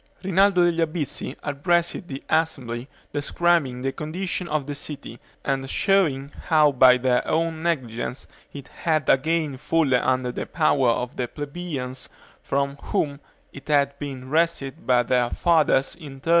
Rinaldo degli Albizzi addressed the assembly, describing the condition of the city, and showing how by their own negligence it had again fallen under the power of the plebeians, from whom it had been wrested by their fathers in 1381.